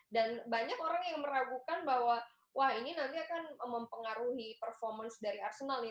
dan banyak orang yang meragukan bahwa wah ini nanti akan mempengaruhi performance dari arsenal nih